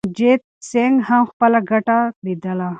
رنجیت سنګ هم خپله ګټه لیدله.